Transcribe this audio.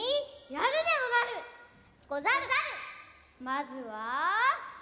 まずは「子」！